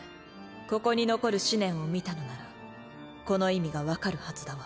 ここに残る思念を見たのならこの意味が分かるはずだわ。